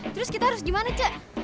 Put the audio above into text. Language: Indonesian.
terus kita harus gimana cak